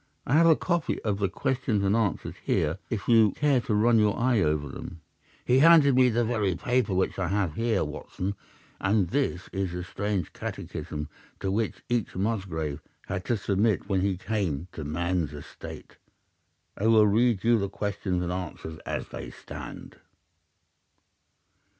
I have a copy of the questions and answers here if you care to run your eye over them.' "He handed me the very paper which I have here, Watson, and this is the strange catechism to which each Musgrave had to submit when he came to man's estate. I will read you the questions and answers as they stand.